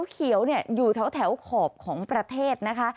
เขียวอยู่แถวขอบของประเทศนะคะ